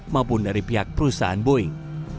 maupun dari pihak perusahaan boeing